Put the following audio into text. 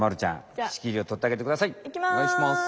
おねがいします。